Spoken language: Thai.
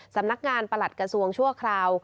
สำนักงานประหลัดกระทรวงชั่วคราว